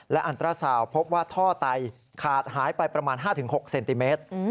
และอันตราสาวพบว่าท่อไตขาดหายไปประมาณ๕๖เซนติเมตร